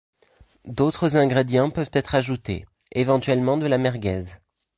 D'autres ingrédients peuvent être ajoutés, éventuellement de la merguez.